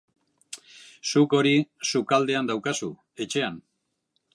Zuk hori sukaldean daukazu, etxean.